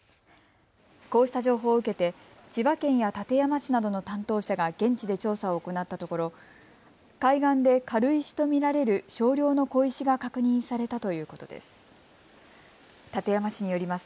こうした情報を受けて千葉県や館山市などの担当者が現地で調査を行ったところ海岸で軽石と見られる少量の小石が確認されたということです。